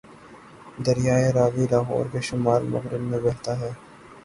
دریائے راوی لاہور کے شمال مغرب میں بہتا ہے